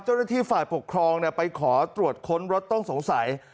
เจ้าหน้าที่ฝ่ายปกครองไปขอตรวจค้นรถต้องสงสัย